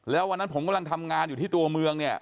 แล้ววันนั้นผมกำลังทำงานอยู่ที่ตัวเมืองเนี่ย